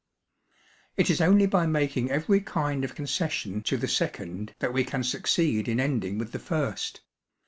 It is only by making every kind of concession to the second that we can succeed in ending with the first.